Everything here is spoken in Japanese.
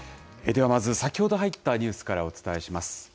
ではまず、先ほど入ったニュースからお伝えします。